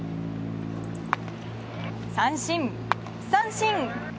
三振、三振！